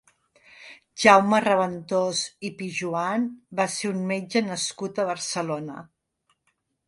Jaume Raventós i Pijoan va ser un metge nascut a Barcelona.